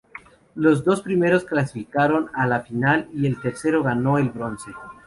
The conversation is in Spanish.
Los dos primero clasificaron a la final y el tercero ganó el bronce.